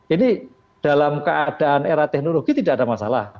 ini dalam keadaan era teknologi tidak ada masalah